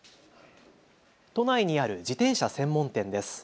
都内にある自転車専門店です。